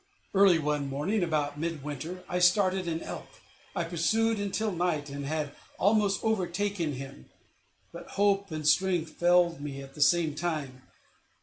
Early one morning, about mid winter, I started an elk. I pursued until night, and had almost overtaken him; but hope and strength failed me at the same time.